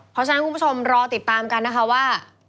เพราะฉะนั้นคุณผู้ชมรอติดตามกันนะคะว่า